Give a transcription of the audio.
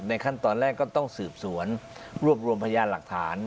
ขั้นตอนแรกก็ต้องสืบสวนรวบรวมพยานหลักฐาน